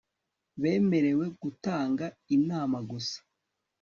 bemerewe gutanga inama gusa